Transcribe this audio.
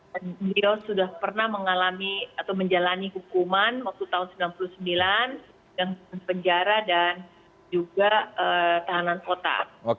dan dia sudah pernah mengalami atau menjalani hukuman waktu tahun seribu sembilan ratus sembilan puluh sembilan dan penjara dan juga tahanan kota